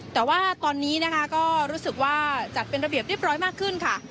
แต่ว่าตอนนี้นะคะก็รู้สึกว่าจัดเป็นระเบียบเรียบร้อยมากขึ้นค่ะ